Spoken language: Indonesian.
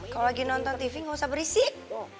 kalo lagi nonton tv gak usah berisik